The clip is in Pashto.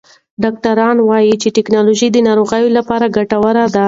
ډاکټران وایې چې ټکنالوژي د ناروغانو لپاره ګټوره ده.